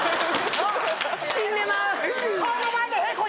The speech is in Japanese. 死んでまう。